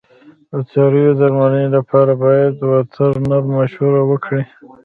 د څارویو د درملنې لپاره باید وترنر مشوره ورکړي.